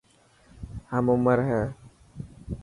هم عمر هي.